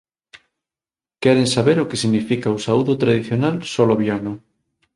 Queren saber o que significa o saúdo tradicional soloviano.